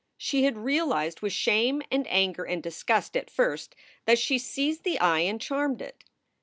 She had realized with shame and anger and disgust at first that she seized the eye and charmed it.